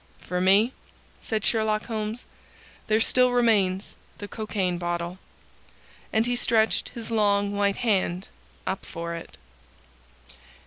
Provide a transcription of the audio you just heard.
"For me," said Sherlock Holmes, "there still remains the cocaine bottle." And he stretched his long white hand up for it.